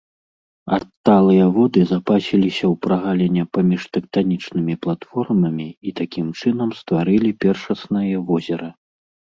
Адталыя воды запасіліся ў прагаліне паміж тэктанічнымі платформамі і такім чынам стварылі першаснае возера.